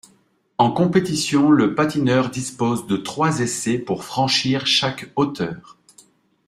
En compétition, le patineur dispose de trois essais pour franchir chaque hauteur.